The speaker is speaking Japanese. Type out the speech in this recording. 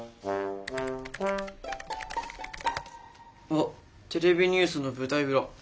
あっ「テレビニュースの舞台裏」。